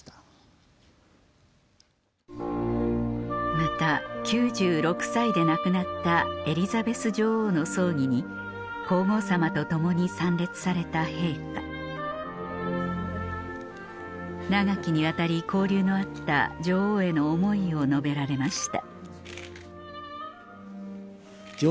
また９６歳で亡くなったエリザベス女王の葬儀に皇后さまとともに参列された陛下長きにわたり交流のあった女王への思いを述べられました